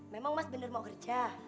memang mas bener mau kerja